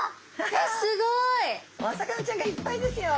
すごい！お魚ちゃんがいっぱいですよ！